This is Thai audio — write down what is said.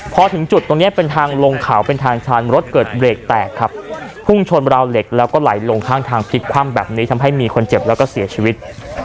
พอถึงจุดตรงเนี้ยเป็นทางลงเขาเป็นทางชันรถเกิดเบรกแตกครับพุ่งชนราวเหล็กแล้วก็ไหลลงข้างทางพลิกคว่ำแบบนี้ทำให้มีคนเจ็บแล้วก็เสียชีวิต